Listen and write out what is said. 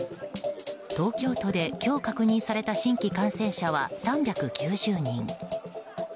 東京都で今日確認された新規感染者は３９０人。